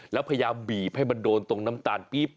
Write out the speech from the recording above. แล้วพยายามบีบให้มันโดนตรงน้ำตาลกิ๊บ